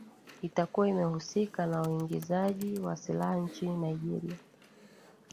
wapo itakuwa imehusika na uingizaji wa silaha nchini nigeria